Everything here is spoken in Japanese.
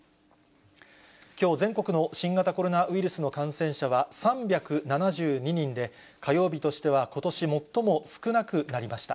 きょう、全国の新型コロナウイルスの感染者は３７２人で、火曜日としてはことし最も少なくなりました。